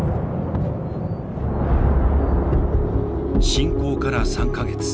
侵攻から３か月。